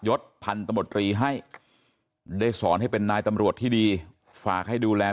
ศพันธมตรีให้ได้สอนให้เป็นนายตำรวจที่ดีฝากให้ดูแล